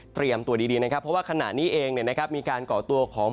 เตรียมตัวดีนะครับเพราะว่าขณะนี้เองนะครับมีการก่อตัวของ